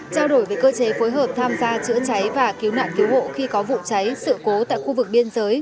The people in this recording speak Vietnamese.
trao đổi về cơ chế phối hợp tham gia chữa cháy và cứu nạn cứu hộ khi có vụ cháy sự cố tại khu vực biên giới